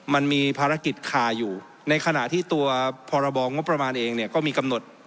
มันมีภารกิจคาอยู่ในขณะที่ตัวพรบงบประมาณเองเนี่ยก็มีกำหนด